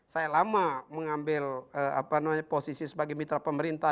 saya lama mengambil posisi sebagai mitra pemerintah